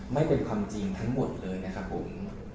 ไม่เป็นความจริงทั้งหมดเลยนะครับผม